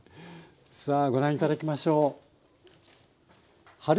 さあご覧頂きましょう。